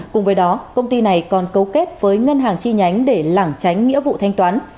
cùng với đó công ty này còn cấu kết với ngân hàng chi nhánh để lảng tránh nghĩa vụ thanh toán